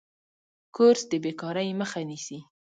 کورس د بیکارۍ مخه نیسي.